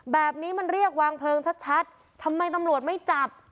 แบบนี้มันเรียกวางเพลิงชัดทำไมตำรวจไม่จับ